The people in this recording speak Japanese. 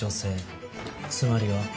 つまりは。